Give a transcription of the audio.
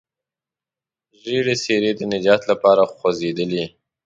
ژېړې څېرې د نجات لپاره خوځېدلې.